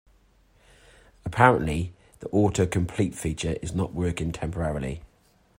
Apparently, the autocomplete feature is not working temporarily.